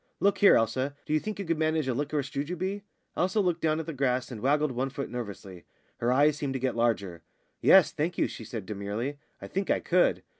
"Look here, Elsa, do you think you could manage a liquorice jujube?" Elsa looked down at the grass and waggled one foot nervously; her eyes seemed to get larger. "Yes, thank you," she said demurely, "I think I could."